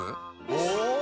お！